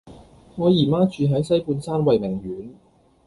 我姨媽住喺西半山慧明苑